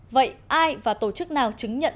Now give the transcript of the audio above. vậy ai và tổ chức nào chứng nhận